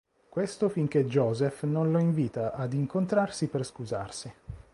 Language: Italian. Questo finché Josef non lo invita ad incontrarsi per scusarsi.